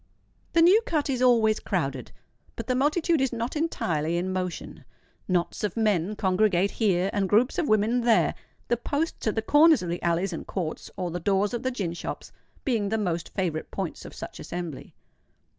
The New Cut is always crowded; but the multitude is not entirely in motion. Knots of men congregate here, and groups of women there—the posts at the corners of the alleys and courts, or the doors of the gin shops, being the most favourite points of such assembly.